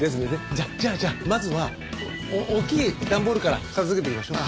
じゃあじゃあじゃあまずは大きい段ボールから片付けていきましょう。